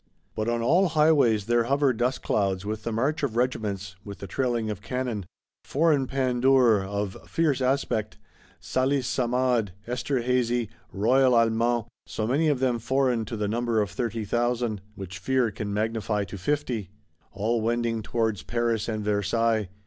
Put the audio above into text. But on all highways there hover dust clouds, with the march of regiments, with the trailing of cannon: foreign Pandours, of fierce aspect; Salis Samade, Esterhazy, Royal Allemand; so many of them foreign, to the number of thirty thousand,—which fear can magnify to fifty: all wending towards Paris and Versailles!